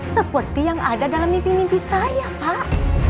seperti yang ada dalam mimpi mimpi saya pak